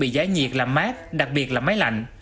tiết bị giải nhiệt làm mát đặc biệt là máy lạnh